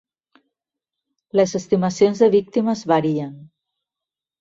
Les estimacions de víctimes varien.